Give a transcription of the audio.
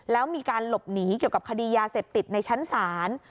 แล้วมีการหลบหนีเกี่ยวกับคดียาเสพติดในชั้นศาล